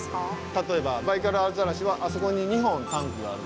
例えばバイカルアザラシはあそこに２本タンクがある。